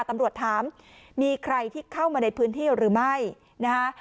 ตำรวจถามมีใครที่เข้ามาในพื้นที่หรือไม่นะคะ